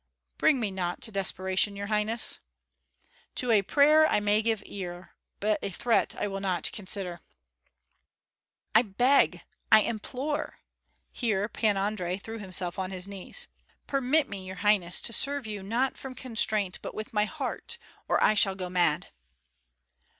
"Bring me not to desperation, your highness." "To a prayer I may give ear, but a threat I will not consider." "I beg, I implore." Here Pan Andrei threw himself on his knees. "Permit me, your highness, to serve you not from constraint, but with my heart, or I shall go mad."